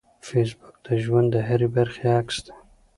فېسبوک د ژوند د هرې برخې عکس دی